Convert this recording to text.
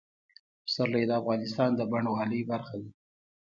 پسرلی د افغانستان د بڼوالۍ برخه ده.